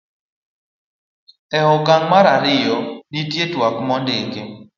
e okang' mar ariyo, nitie twak ma ondiki